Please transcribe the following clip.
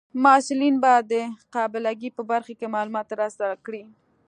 محصلین به د قابله ګۍ په برخه کې معلومات ترلاسه کړي.